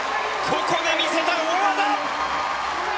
ここで見せた大技！